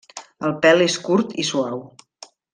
El pèl és curt i suau.